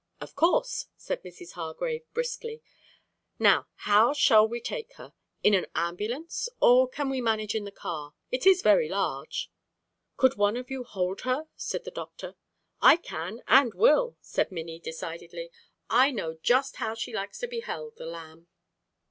"Of course!" said Mrs. Hargrave briskly, "Now how shall we take her? In an ambulance, or can we manage in the car? It is very large." "Could one of you hold her?" said the doctor. "I can and will," said Minnie decidedly. "I know just how she likes to be held, the lamb!"